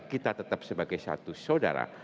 kita tetap sebagai satu saudara